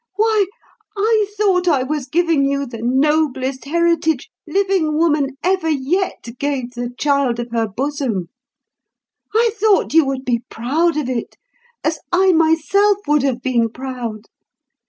Why, I thought I was giving you the noblest heritage living woman ever yet gave the child of her bosom. I thought you would be proud of it, as I myself would have been proud.